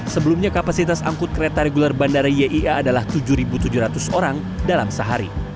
sebelumnya kapasitas angkut kereta regular bandara yia adalah tujuh tujuh ratus orang dalam sehari